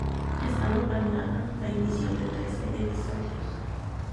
Estaba planeada la emisión de trece episodios.